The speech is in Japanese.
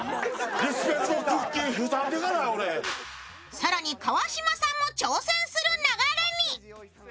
更に川島さんも挑戦する流れに。